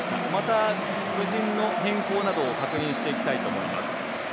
また、布陣の変更などを確認していきたいと思います。